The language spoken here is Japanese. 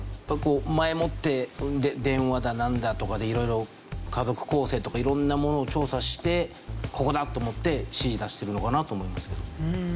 前もって電話だなんだとかで色々家族構成とか色んなものを調査して「ここだ」と思って指示出してるのかなと思いますけど。